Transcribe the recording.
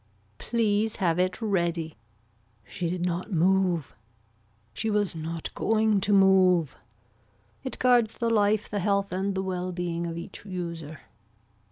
Please have it ready. She did not move. She was not going to move. It guards the life the health and the well being of each user.